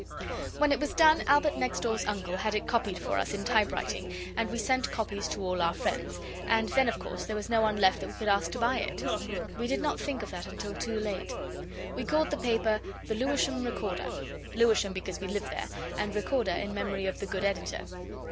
When it was done Albert next door's uncle had it copied for us in typewriting, and we sent copies to all our friends, and then of course there was no one left that we could ask to buy it. We did not think of that until too late. We called the paper the Lewisham Recorder; Lewisham because we live there, and Recorder in memory of the good editor.